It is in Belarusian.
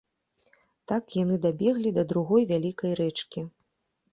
Так яны дабеглі да другой, вялікай рэчкі.